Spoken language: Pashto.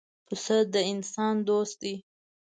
پسه د انسان دوست دی.